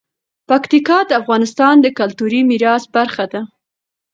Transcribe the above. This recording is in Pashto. پکتیکا د افغانستان د کلتوري میراث برخه ده.